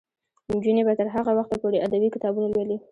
نجونې به تر هغه وخته پورې ادبي کتابونه لولي.